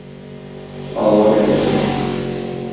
Алла бәндәсе